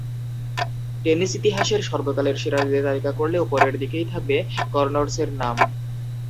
Tennis ইতিহাসের সর্বকালের সেরাদের তালিকা করলে ওপরের দিকেই থাকবে কনর্সের নাম।